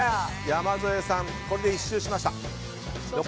山添さん、これで１周しました。